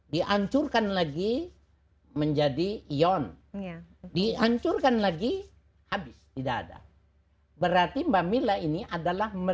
dihancurkan lagi menjadi ion dihancurkan lagi habis tidak ada berarti mbak mila ini adalah